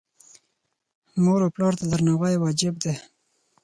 مور او پلار ته درناوی واجب دی